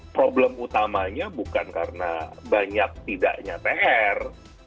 problem utamanya bukan karena banyak tidaknya pr